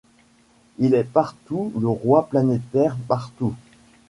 Il est partout le roi planétaire ; partout